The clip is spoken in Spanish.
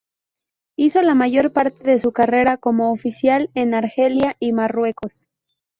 Hizo la mayor parte de su carrera como oficial en Argelia y Marruecos.